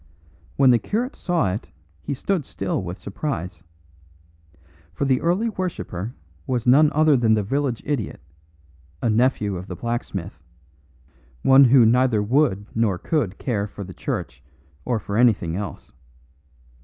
When the curate saw it he stood still with surprise. For the early worshipper was none other than the village idiot, a nephew of the blacksmith, one who neither would nor could care for the church or for anything else.